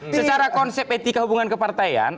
secara konsep etika hubungan ke partain